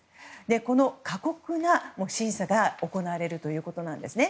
これは過酷な審査が行われるということなんですね。